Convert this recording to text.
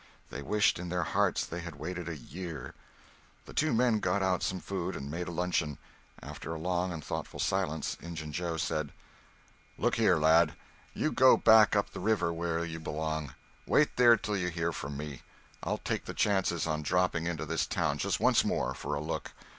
They wished in their hearts they had waited a year. The two men got out some food and made a luncheon. After a long and thoughtful silence, Injun Joe said: "Look here, lad—you go back up the river where you belong. Wait there till you hear from me. I'll take the chances on dropping into this town just once more, for a look.